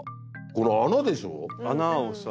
この穴でしょ。